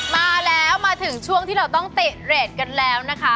มาแล้วมาถึงช่วงที่เราต้องเตะเรทกันแล้วนะคะ